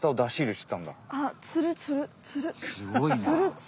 すごいな。